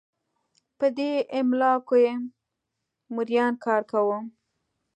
په دې املاکو کې مریانو کار کاوه.